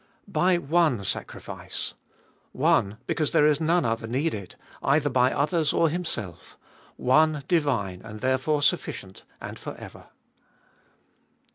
By one sacrifice. One because there is none other needed, either by others or Himself; one divine, and therefore sufficient and for ever.